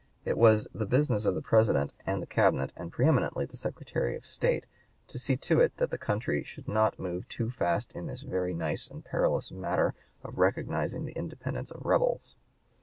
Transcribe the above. It was the business of the President and Cabinet, and preëminently of the Secretary of State, to see to it that the country should not move too fast in this very nice and perilous matter of recognizing the independence of rebels.